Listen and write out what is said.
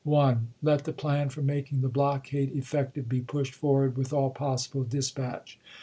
Let the plan for making the blockade effective be pushed forward with all possible dispatch.